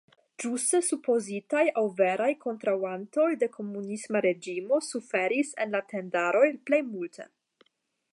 Ĝuste supozitaj aŭ veraj kontraŭantoj de komunisma reĝimo suferis en la tendaroj plej multe.